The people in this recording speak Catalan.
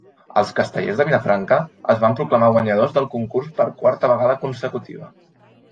Els Castellers de Vilafranca es van proclamar guanyadors del concurs per quarta vegada consecutiva.